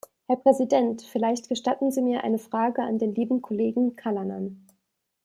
Herr Präsident! Vielleicht gestatten Sie eine Frage an den lieben Kollegen Callanan.